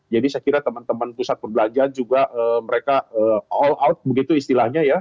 jadi saya kira teman teman pusat perbelanjaan juga mereka all out begitu istilahnya ya